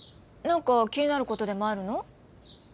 何か気になることでもあるの？